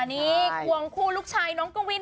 นี่ควงคู่ลูกชายน้องกวิน